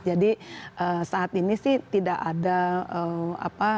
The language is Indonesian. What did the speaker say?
jadi saat ini sih tidak ada apa